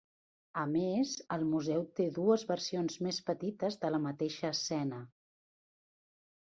A més el museu té dues versions més petites de la mateixa escena.